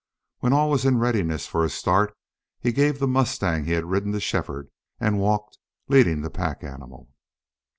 When all was in readiness for a start he gave the mustang he had ridden to Shefford, and walked, leading the pack animal.